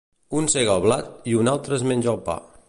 Un sega el blat i un altre es menja el pa.